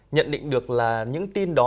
nhận định được là những tin đó